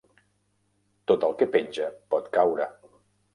Tot el que penja pot caure.